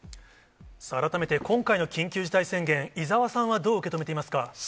改めて今回の緊急事態宣言、伊沢さんはどう受け止めていますか。